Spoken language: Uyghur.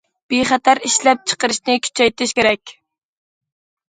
بىخەتەر ئىشلەپچىقىرىشنى كۈچەيتىش كېرەك.